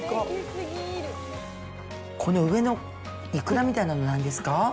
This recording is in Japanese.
この上のイクラみたいなの何ですか？